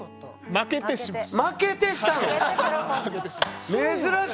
負けてしましたね。